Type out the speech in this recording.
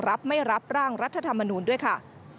รับไม่รับร่างรัฐธรรมนูลด้วยค่ะ